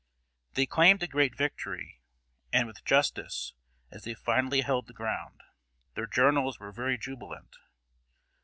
They claimed a great victory, and with justice, as they finally held the ground. Their journals were very jubilant.